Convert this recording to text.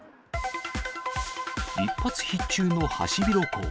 一発必中のハシビロコウ。